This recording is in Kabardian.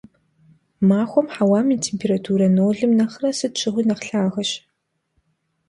Махуэм хьэуам и температура нолым нэхърэ сыт щыгъуи нэхъ лъагэщ.